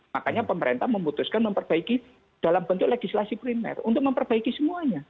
makanya pemerintah memutuskan memperbaiki dalam bentuk legislasi primer untuk memperbaiki semuanya